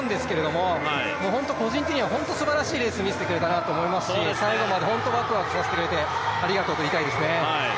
もう本当、個人的にはすばらしいレースをみせてくれたなと思いますし最後まで本当にワクワクさせてくれてありがとうと言いたいですね。